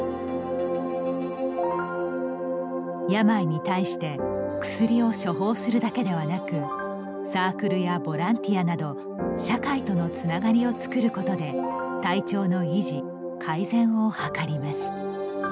病に対して薬を処方するだけではなくサークルやボランティアなど社会とのつながりを作ることで体調の維持・改善を図ります。